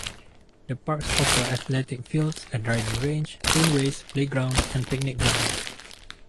The parks offer athletic fields, a driving range, greenways, playgrounds and picnic grounds.